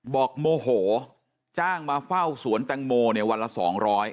โมโหจ้างมาเฝ้าสวนแตงโมเนี่ยวันละสองร้อย